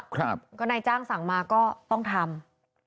ก็นายจ้างสั่งมาก็ต้องทำ